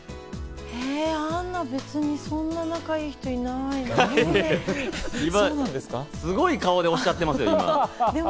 アンナ、別にそんな仲いい人すごい顔でおっしゃってますよ。